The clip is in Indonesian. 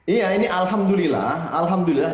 iya ini alhamdulillah